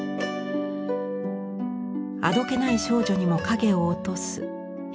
あどけない少女にも影を落とす貧富の差。